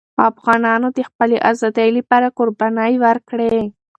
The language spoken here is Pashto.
افغانانو د خپلې آزادۍ لپاره قربانۍ ورکړې.